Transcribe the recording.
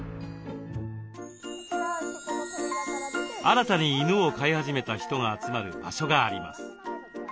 新たに犬を飼い始めた人が集まる場所があります。